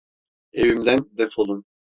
Evimden defolun!